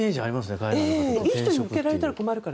いい人に抜けられたら困るから。